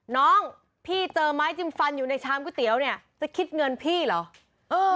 น้องพี่เจอไม้จิมฟันอยู่ในชามก๋วยเตี๋ยวเนี่ยจะคิดเงินพี่เหรอ